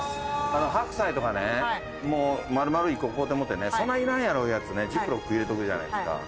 白菜とかね丸々１個買うてもうてねそないいらんやろいうやつジップロック入れとくじゃないですか。